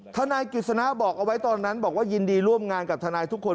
ทนายกฤษณะบอกเอาไว้ตอนนั้นบอกว่ายินดีร่วมงานกับทนายทุกคน